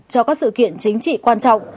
cho các sự kiện chính trị quan trọng